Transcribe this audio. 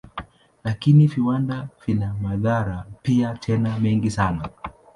Lakini viwanda vina madhara pia, tena mengi sana.